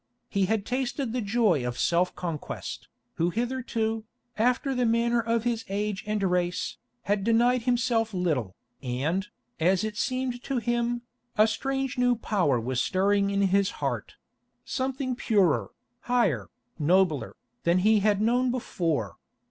He had tasted of the joy of self conquest, who hitherto, after the manner of his age and race, had denied himself little, and, as it seemed to him, a strange new power was stirring in his heart—something purer, higher, nobler, than he had known before.